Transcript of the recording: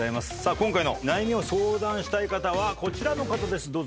今回の悩みを相談したい方はこちらの方です。